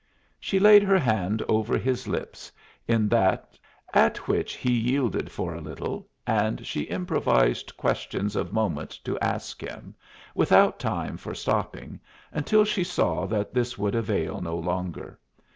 She laid her hand over his lips, at which he yielded for a little, and she improvised questions of moment to ask him, without time for stopping, until she saw that this would avail no longer.